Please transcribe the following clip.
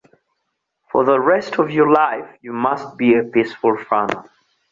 For the rest of your life you must be a peaceful farmer.